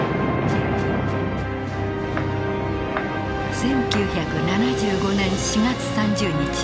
１９７５年４月３０日。